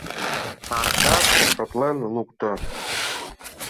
— Аркаш шотлен лукто.